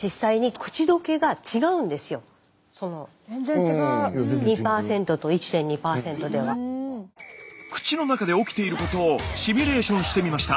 口の中で起きていることをシミュレーションしてみました。